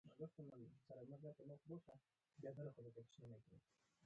کلنګ د لیوه په ستوني کې سر دننه کړ او هډوکی یې وویست.